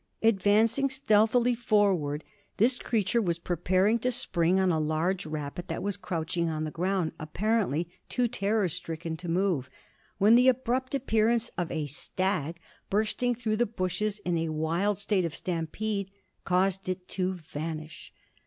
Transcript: Advancing stealthily forward, this creature was preparing to spring on a large rabbit that was crouching on the ground, apparently too terror stricken to move, when the abrupt appearance of a stag bursting through the bushes in a wild state of stampede caused it to vanish.